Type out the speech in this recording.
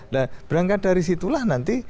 dan berangkat dari situlah nanti